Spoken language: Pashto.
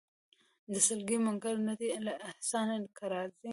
سلګۍ منکري نه دي له احسانه که راځې